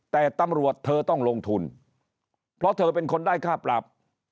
แต่ตำรวจเธอต้องลงทุนเพราะเธอเป็นคนได้ค่าปรับ